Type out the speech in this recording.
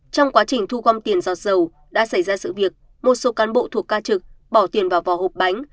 trong quá trình thu gom tiền giọt dầu đã xảy ra sự việc một số cán bộ thuộc ca trực bỏ tiền vào vò hộp bánh